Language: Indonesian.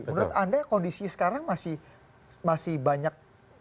menurut anda kondisi sekarang masih banyak